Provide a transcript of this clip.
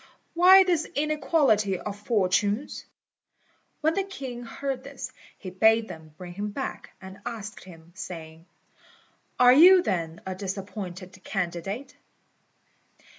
Why this inequality of fortunes?" When the king heard this, he bade them bring him back, and asked him, saying, "Are you, then, a disappointed candidate?"